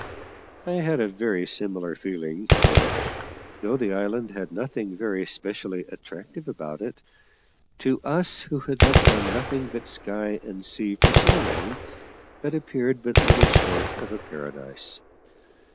I had a very similar feeling; for, though the island had nothing very specially attractive about it, to us who had looked on nothing but sky and sea for so long, it appeared but little short of a paradise.